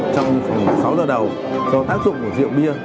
trong sáu giờ đầu do tác dụng của rượu bia